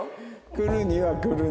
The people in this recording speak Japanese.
来るには来るんだ。